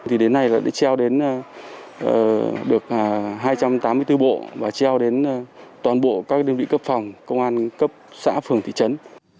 thì đến nay đã đi treo đến được hai trăm tám mươi bốn bộ và treo đến toàn bộ các đơn vị cấp phòng công an cấp xã phường thị trấn